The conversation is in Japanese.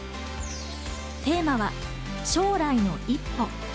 テーマは将来の一歩。